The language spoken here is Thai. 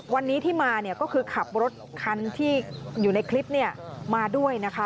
วันนี้ที่มาเนี่ยก็คือขับรถคันที่อยู่ในคลิปมาด้วยนะคะ